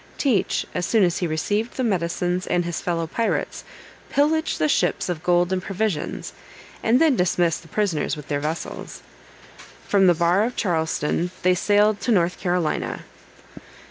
Teach, as soon as he received the medicines and his fellow pirates, pillaged the ships of gold and provisions, and then dismissed the prisoners with their vessels. From the bar of Charleston they sailed to North Carolina.